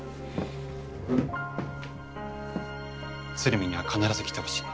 鶴見には必ず来てほしい。